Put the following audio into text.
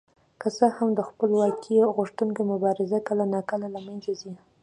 که څه هم د خپلواکۍ غوښتونکو مبارزې کله ناکله له منځه تللې.